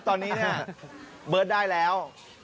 ตอนนี้เบิร์ดได้แล้ว